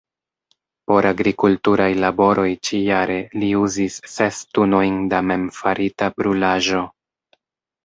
Por agrikulturaj laboroj ĉi-jare li uzis ses tunojn da memfarita brulaĵo.